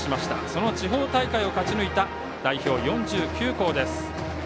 その地方大会を勝ち抜いた代表４９校です。